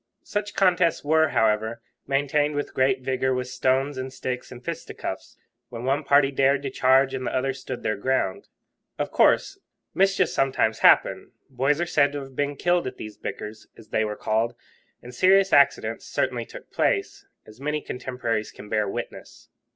Such contests were, however, maintained with great vigour with stones and sticks and fisticuffs, when one party dared to charge and the other stood their ground. Of course mischief sometimes happened; boys are said to have been killed at these bickers, as they were called, and serious accidents certainly took place, as many contemporaries can bear witness.